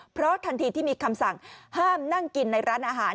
เพราะทันทีที่มีคำสั่งห้ามนั่งกินในร้านอาหาร